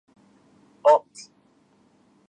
ここは危険です。